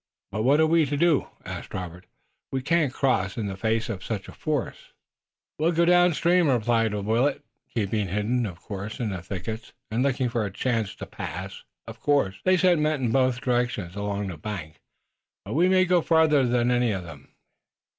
"But what are we to do?" asked Robert. "We can't cross in the face of such a force." "We'll go down the stream," replied Willet, "keeping hidden, of course, in the thickets, and look for a chance to pass. Of course, they've sent men in both directions along the bank, but we may go farther than any of them."